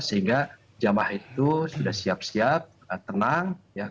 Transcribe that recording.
sehingga jamaah itu sudah siap siap tenang